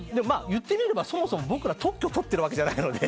言ってみればそもそも僕ら特許取ってるわけじゃないので。